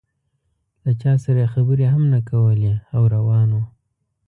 له چا سره یې خبرې هم نه کولې او روان و.